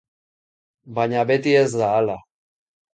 Baina beti ez da hala.